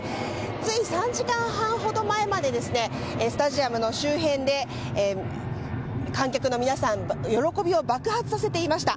つい３時間半ほど前までスタジアムの周辺で観客の皆さん喜びを爆発させていました。